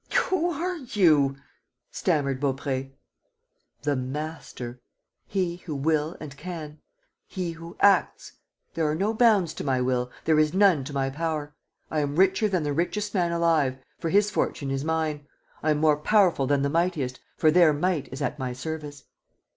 ... Who are you?" stammered Baupré. "The Master ... he who will and who can ... he who acts. ... There are no bounds to my will, there is none to my power. I am richer than the richest man alive, for his fortune is mine. ... I am more powerful than the mightiest, for their might is at my service!"